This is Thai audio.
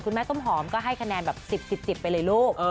แม่ส้มหอมก็ให้คะแนนแบบ๑๐๑๐ไปเลยลูก